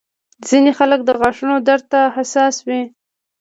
ځینې خلک د غاښونو درد ته حساس وي.